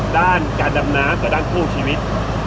ด้านการดำน้ำกับด้านคู่ชีวิต